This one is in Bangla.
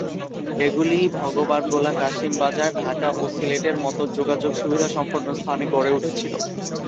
এগুলি ভগবানগোলা, কাসিমবাজার, ঢাকা ও সিলেটের মতো যোগাযোগ সুবিধাসম্পন্ন স্থানে গড়ে উঠেছিল।